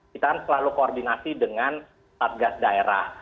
kita kan selalu koordinasi dengan satgas daerah